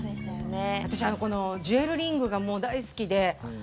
私、このジュエルリングがもう大好きで。